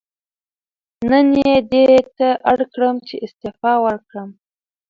نن یې دې ته اړ کړم چې استعفا ورکړم.